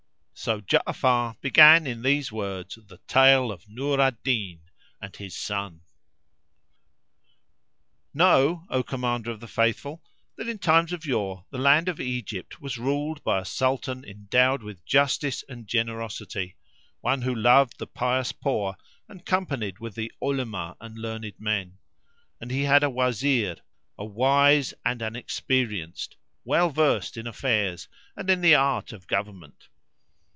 So Ja'afar began in these words the TALE OF NUR AL DIN AND HIS SON. Know, O Commander of the Faithful, that in times of yore the land of Egypt was ruled by a Sultan endowed with justice and generosity, one who loved the pious poor and companied with the Olema and learned men; and he had a Wazir, a wise and an experienced, well versed in affairs and in the art of government.